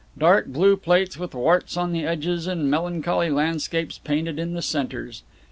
Dark blue plates with warts on the edges and melancholy landscapes painted in the centers.